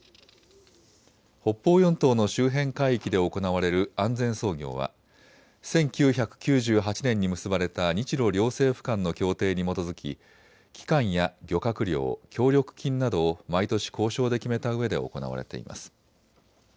北方四島の周辺海域で行われる安全操業は１９９８年に結ばれた日ロ両政府間の協定に基づき期間や漁獲量、協力金などを毎年、交渉で決めたうえで行われています。